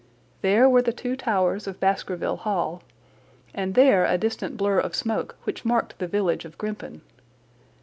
There were the two towers of Baskerville Hall, and there a distant blur of smoke which marked the village of Grimpen.